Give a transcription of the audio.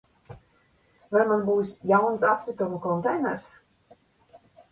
Vai man būs jauns atkritumu konteiners?